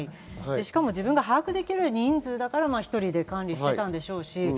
しかも自分が把握できる人数だから１人で管理してたんでしょうし。